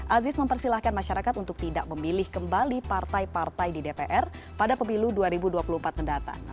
aziz mempersilahkan masyarakat untuk tidak memilih kembali partai partai di dpr pada pemilu dua ribu dua puluh empat mendatang